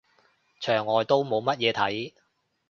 牆外都冇乜嘢睇